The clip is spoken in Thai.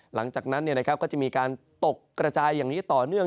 หลังจากนั้นก็จะมีการตกกระจายอย่างนี้ต่อเนื่อง